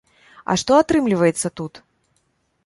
А што атрымліваецца тут?